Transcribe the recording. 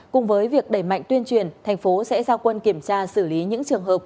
cùng với việc đẩy mạnh tuyên truyền thành phố sẽ giao quân kiểm tra xử lý những trường hợp